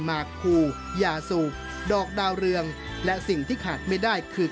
หมากคูยาสูบดอกดาวเรืองและสิ่งที่ขาดไม่ได้คือ